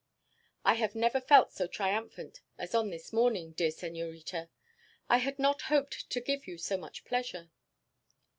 "I have never felt so triumphant as on this morning, dear senorita. I had not hoped to give you so much pleasure."